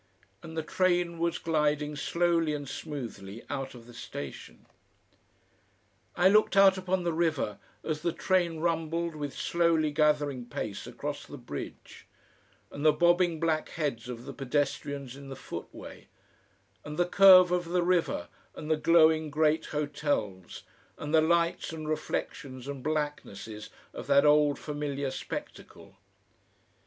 and the train was gliding slowly and smoothly out of the station. I looked out upon the river as the train rumbled with slowly gathering pace across the bridge, and the bobbing black heads of the pedestrians in the footway, and the curve of the river and the glowing great hotels, and the lights and reflections and blacknesses of that old, familiar spectacle.